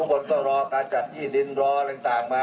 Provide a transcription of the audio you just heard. คนก็รอการจัดที่ดินรออะไรต่างมา